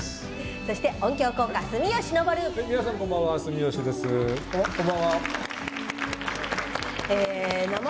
そして音響効果、住吉昇。